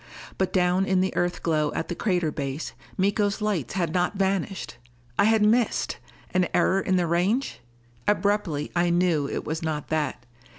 But down in the Earth glow at the crater base, Miko's lights had not vanished! I had missed! An error in the range? Abruptly I knew it was not that.